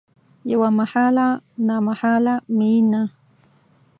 یوه محاله نامحاله میینه